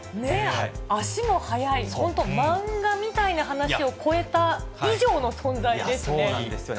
足も速い、本当、漫画みたいな話を超えた以上の存在ですね。